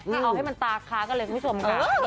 เอาให้มันตาค้ากันเลยคุณผู้ชมค่ะ